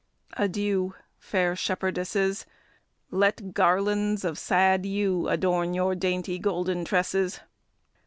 Adieu! Fair shepherdesses! Let garlands of sad yew Adorn your dainty golden tresses.